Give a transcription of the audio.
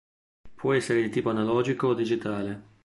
Può essere di tipo analogico o digitale.